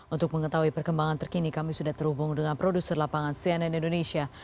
untuk mengetahui perkembangan terkini kami sudah terhubung dengan produser lapangan cnn indonesia